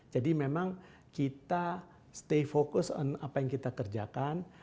jadi memang kita stay focus on apa yang kita kerjakan